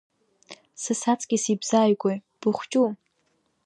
Са саҵкьыс ибзааигәои, быхчу?!